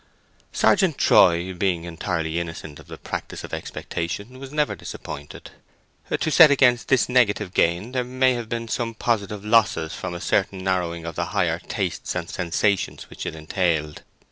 Sergeant Troy, being entirely innocent of the practice of expectation, was never disappointed. To set against this negative gain there may have been some positive losses from a certain narrowing of the higher tastes and sensations which it entailed.